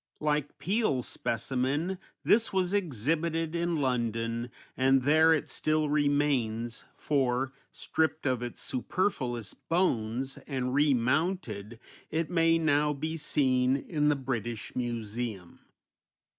Like Peale's specimen this was exhibited in London, and there it still remains, for, stripped of its superfluous bones, and remounted, it may now be seen in the British Museum.